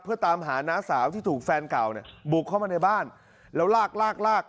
เพื่อตามหาน้าสาวที่ถูกแฟนเก่าเนี่ยบุกเข้ามาในบ้านแล้วลากลากลาก